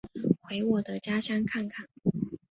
回我的家乡看看